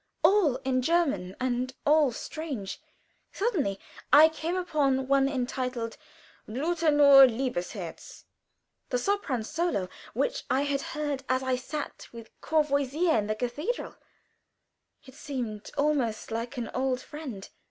All in German, and all strange. Suddenly I came upon one entitled "Blute nur, liebes Herz," the sopran solo which I had heard as I sat with Courvoisier in the cathedral. It seemed almost like an old friend.